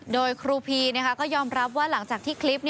โดยครูพีก็ยอมรับว่าหลังจากที่คลิป